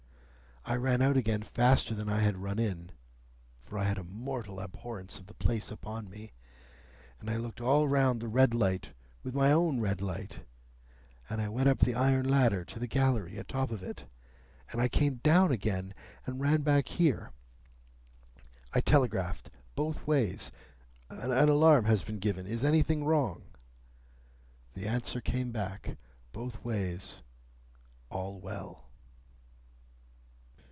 I ran out again faster than I had run in (for I had a mortal abhorrence of the place upon me), and I looked all round the red light with my own red light, and I went up the iron ladder to the gallery atop of it, and I came down again, and ran back here. I telegraphed both ways, 'An alarm has been given. Is anything wrong?' The answer came back, both ways, 'All well.